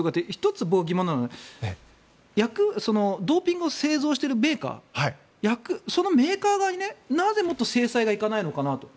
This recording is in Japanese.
１つ、僕が疑問なのはドーピングを製造しているメーカーそのメーカー側になぜもっと制裁がいかないのかと。